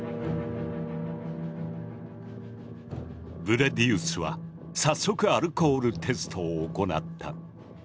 ブレディウスは早速アルコールテストを行った。